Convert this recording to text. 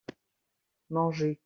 Manger.